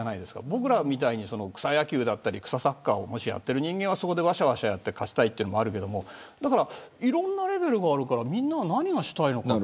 僕らみたいに草野球だったり草サッカーをやっている人間はそこで、わしゃわしゃやって勝ちたいってのもあるけれどいろんなレベルがあるからみんなが、何がしたいのか。